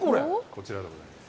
こちらでございます。